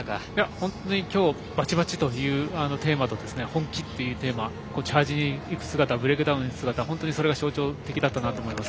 本当に今日はバチバチというテーマと本気というテーマチャージに行く姿ブレイクダウンに行く姿が象徴的だったと思います。